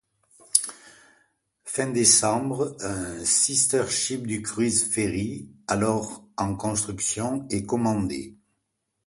Fin décembre, un sister-ship du cruise-ferry alors en construction est commandé.